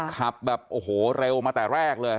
ขับแบบโอ้โหเร็วมาแต่แรกเลย